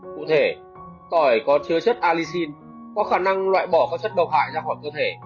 cụ thể tỏi có chứa chất alixin có khả năng loại bỏ các chất độc hại ra khỏi cơ thể